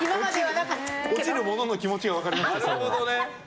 落ちる者の気持ちが分かりました。